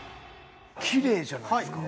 きれいじゃないですか？